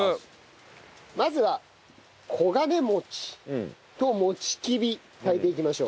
まずはこがねもちともちきび炊いていきましょう。